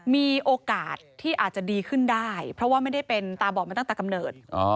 มีโอกาสที่อาจจะดีขึ้นได้เพราะว่าไม่ได้เป็นตาบอดมาตั้งแต่กำเนิด